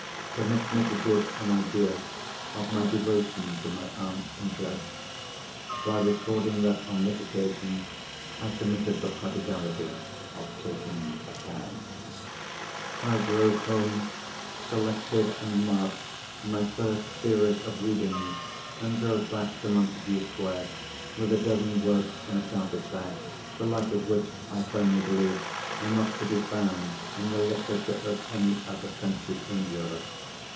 Permit me to give an idea of my devotion to my aunt's interests by recording that, on this occasion, I committed the prodigality of taking a cab. I drove home, selected and marked my first series of readings, and drove back to Montagu Square, with a dozen works in a carpet bag, the like of which, I firmly believe, are not to be found in the literature of any other country in Europe.